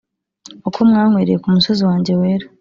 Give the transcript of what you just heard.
Uko mwanywereye ku musozi wanjye wera